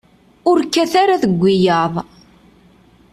Ur kkat ara deg wiyaḍ.